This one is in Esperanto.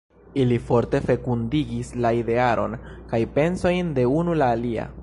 Ili forte fekundigis la idearon kaj pensojn de unu la alia.